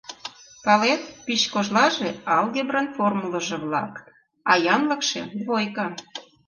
— Палет, пич кожлаже — алгебрын формулыжо-влак, а янлыкше — двойка.